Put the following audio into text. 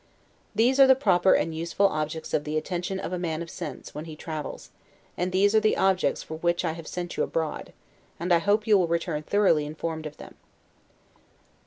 These are the proper and useful objects of the attention of a man of sense, when he travels; and these are the objects for which I have sent you abroad; and I hope you will return thoroughly informed of them.